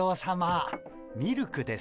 ミルクです。